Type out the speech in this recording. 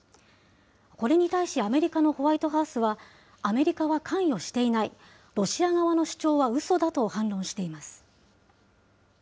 これに対し、アメリカのホワイトハウスは、アメリカは関与していない、ロシア側の主張はうそだと反論しています。